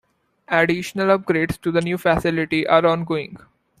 Additional upgrades to the new facility are ongoing.